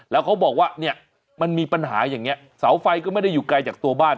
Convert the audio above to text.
แล้วเขาบอกว่าเนี่ยมันมีปัญหาอย่างนี้เสาไฟก็ไม่ได้อยู่ไกลจากตัวบ้าน